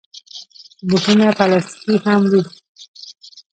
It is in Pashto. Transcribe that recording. بوټونه پلاستيکي هم وي.